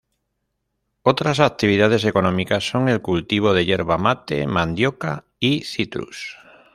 Otras actividades económicas son el cultivo de yerba mate, mandioca y citrus.